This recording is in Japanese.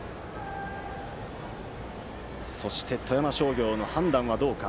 そして、富山商業の判断はどうか。